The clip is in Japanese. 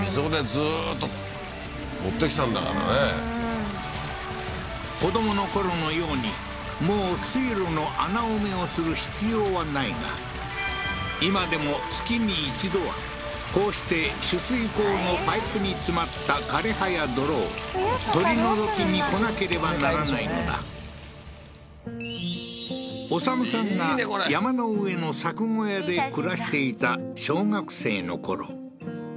ずーっと持ってきたんだからね子どものころのようにもう水路の穴埋めをする必要はないが今でも月に一度はこうして取水口のパイプに詰まった枯れ葉や泥を取り除きに来なければならないのだ修さんが山の上の作小屋で暮らしていた小学生のころ